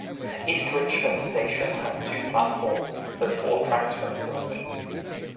East Richmond station has two platforms, although four tracks run through it.